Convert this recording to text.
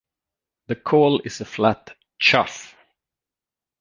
The call is a flat "chuff".